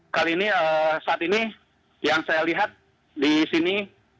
kali ini saat ini yang saya lihat di sini